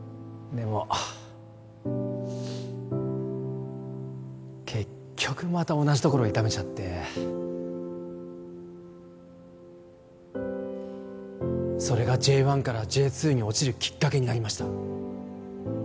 でも結局また同じところ痛めちゃってそれがＪ１からＪ２に落ちるきっかけになりました